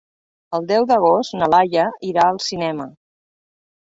El deu d'agost na Laia irà al cinema.